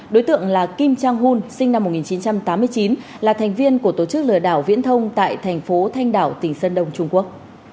đối tượng là kim trang hun sinh năm một nghìn chín trăm tám mươi chín là thành viên của tổ chức lừa đảo viễn thông tại thành phố thanh đảo tỉnh sơn đông trung quốc